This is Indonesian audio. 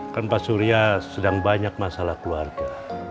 kan pak surya sedang banyak masalah keluarga